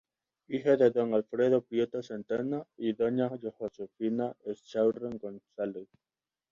Hijo de don Alfredo Prieto Zenteno y doña Josefina Echaurren González.